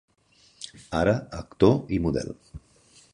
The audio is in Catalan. Ara actor i model.